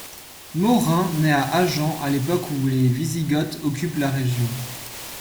Maurin naît à Agen à l’époque où les Wisigoths occupent la région.